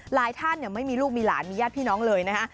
หลายท่านไม่มีลูกมีหลานมีญาติพี่น้องเลยนะฮะ